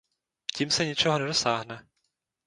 Tím se ničeho nedosáhne.